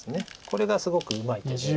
これがすごくうまい手で。